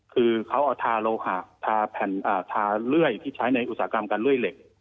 คือเขาเอาทาโลหะทาแผ่นทาเลื่อยที่ใช้ในอุตสาหกรรมการเลื่อยเหล็ก